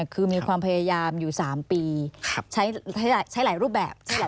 คือมีความพยายามอยู่๓ปีใช้หลายรูปแบบ